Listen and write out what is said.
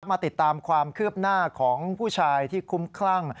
มาติดตามความคืบหน้าของผู้ชายที่คุ้มคลั่ง